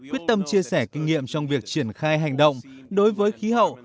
quyết tâm chia sẻ kinh nghiệm trong việc triển khai hành động đối với khí hậu